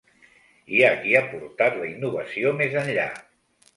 Hi ha qui ha portat la innovació més enllà.